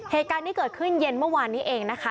เหตุการณ์นี้เกิดขึ้นเย็นเมื่อวานนี้เองนะคะ